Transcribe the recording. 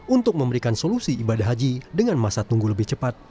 untuk memberikan solusi ibadah haji dengan masa tunggu lebih cepat